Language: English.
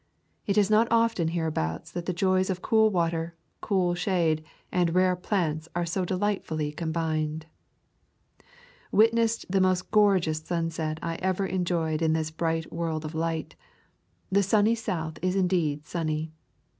It is not often hereabouts that the joys of cool water, cool shade, and rare plants are so de lightfully combined. Witnessed the most gorgeous sunset I ever enjoyed in this bright world of light. The sunny South is indeed sunny.